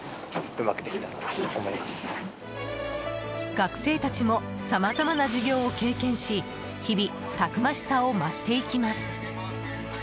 学生たちもさまざまな授業を経験し日々たくましさを増していきます。